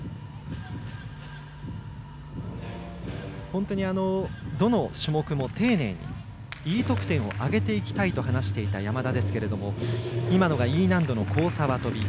本当にどの種目も丁寧にＥ得点をあげていきたいと話していた山田ですが今のがＥ難度の交差輪とび。